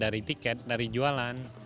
dari tiket dari jualan